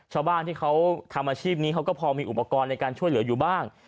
ชาวบ้านที่เขาทำอาชีพนี้เขาก็พอมีอุปกรณ์ในการช่วยเหลืออยู่บ้าง